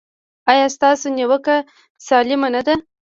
ایا ستاسو نیوکه سالمه نه ده؟